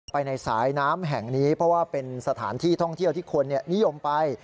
ไปในสายน้ำแห่งนี้เพราะว่าเป็นสถานที่ท่องเที่ยวที่คนนิยมไป